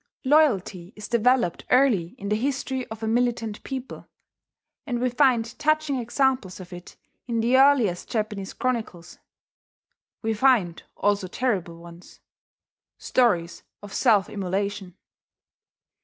Loyalty is developed early in the history of a militant people; and we find touching examples of it in the earliest Japanese chronicles. We find also terrible ones, stories of self immolation.